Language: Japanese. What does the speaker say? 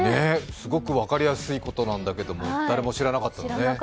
すごく分かりやすいことなんだけれども、誰も知らなかったよね。